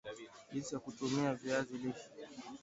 Jinsi ya kutumia viazi lishe